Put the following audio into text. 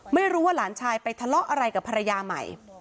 ไม่รู้ว่าหลานชายไปทะเลาะอะไรกับภรรยาใหม่